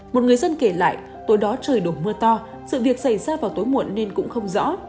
một người dân kể lại tối đó trời đổ mưa to sự việc xảy ra vào tối muộn nên cũng không rõ